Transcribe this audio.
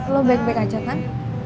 lo baik baik aja kan